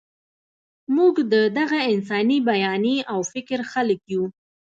موږ د دغه انساني بیانیې او فکر خلک یو.